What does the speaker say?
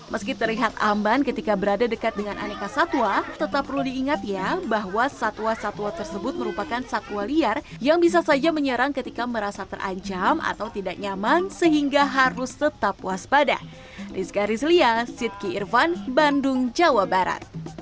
meski terlihat aman ketika berada dekat dengan aneka satwa tetap perlu diingat ya bahwa satwa satwa tersebut merupakan satwa liar yang bisa saja menyerang ketika merasa terancam atau tidak nyaman sehingga harus tetap waspada